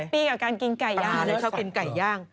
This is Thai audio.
แฮปปี้กับการกินไก่ย่าง